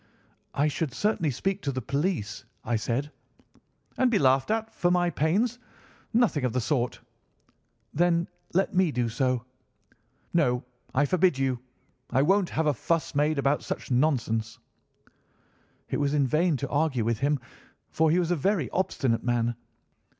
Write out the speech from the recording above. "'I should certainly speak to the police,' I said. "'And be laughed at for my pains. Nothing of the sort.' "'Then let me do so?' "'No, I forbid you. I won't have a fuss made about such nonsense.' "It was in vain to argue with him, for he was a very obstinate man.